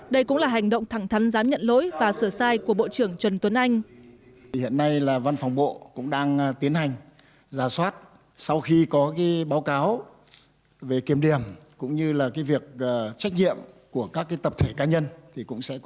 đây cũng là hành động thẳng thắn giám nhận lỗi và sửa sai của bộ trưởng trần tuấn anh